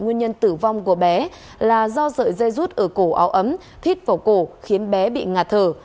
nguyên nhân tử vong của bé là do sợi dây rút ở cổ áo ấm thít vào cổ khiến bé bị ngạt thở